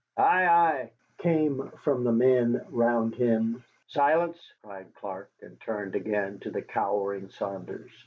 "Ay, ay," came from the men round him. "Silence!" cried Clark, and turned again to the cowering Saunders.